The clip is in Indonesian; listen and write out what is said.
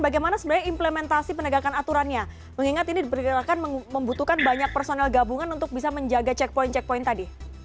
atau membutuhkan banyak personel gabungan untuk bisa menjaga checkpoint checkpoint tadi